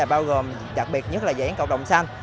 bao gồm đặc biệt nhất là dự án cầu đồng xanh